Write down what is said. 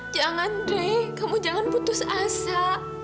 jangan dray kamu jangan putus asa